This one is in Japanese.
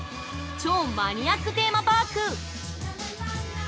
超マニアックテーマパーク。